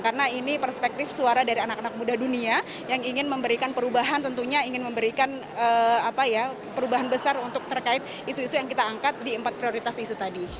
karena ini perspektif suara dari anak anak muda dunia yang ingin memberikan perubahan tentunya ingin memberikan perubahan besar untuk terkait isu isu yang kita angkat di empat prioritas isu tadi